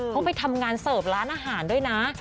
เขาไปทำงานเสิร์ฟร้านอาหารด้วยนะ